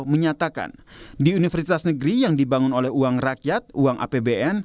menyatakan di universitas negeri yang dibangun oleh uang rakyat uang apbn